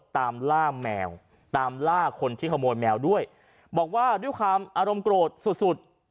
ตามล่าแมวตามล่าคนที่ขโมยแมวด้วยบอกว่าด้วยความอารมณ์โกรธสุดสุด